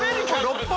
６本！？